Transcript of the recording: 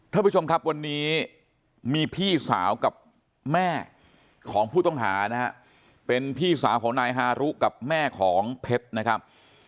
ท่านผู้ชมครับวันนี้มีพี่สาวกับแม่ของผู้ต้องหานะฮะเป็นพี่สาวของนายฮารุกับแม่ของเพชรนะครับ